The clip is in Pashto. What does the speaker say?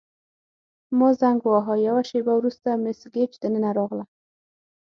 ما زنګ وواهه، یوه شیبه وروسته مس ګیج دننه راغله.